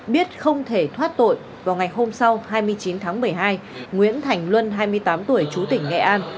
biết không thể thoát tội vào ngày hôm sau hai mươi chín tháng một mươi hai nguyễn thành luân hai mươi tám tuổi chú tỉnh nghệ an